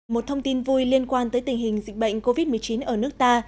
một thông tin vui liên quan tới tình hình dịch bệnh covid một mươi chín ở nước ta